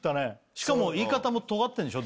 しかも言い方もトガってるんでしょ